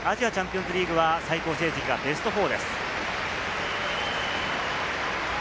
アジアチャンピオンズリーグは最高成績がベスト４です。